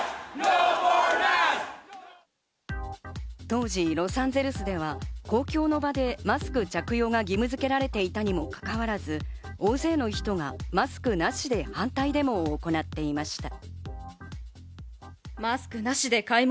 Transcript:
当時ロサンゼルスでは公共の場でマスク着用が義務づけられていたにもかかわらず、大勢の人がマスクなしで反対デモを行っていました。